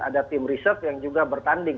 ada tim riset yang juga bertanding